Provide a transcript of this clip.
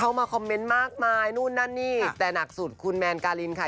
มาคอมเมนต์มากมายนู่นนั่นนี่แต่หนักสุดคุณแมนการินค่ะ